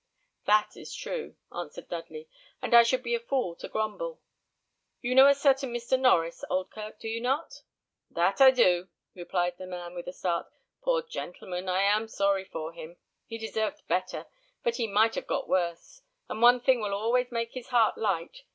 "That is true," answered Dudley; "and I should be a fool to grumble. You know a certain Mr. Norries, Oldkirk, do you not?" "That I do," cried the man, with a start. "Poor gentleman, I am sorry for him! He deserved better, but he might have got worse; and one thing will always make his heart light.